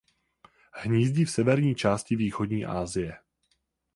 Hnízdí v severní části východní Asie.